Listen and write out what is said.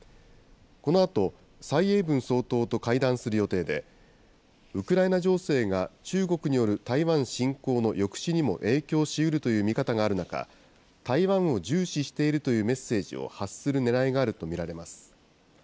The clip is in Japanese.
このあと、蔡英文総統と会談する予定で、ウクライナ情勢が中国による台湾侵攻の抑止にも影響しうるという見方がある中、台湾を重視しているというメッセージを発するねらいがあると見られます。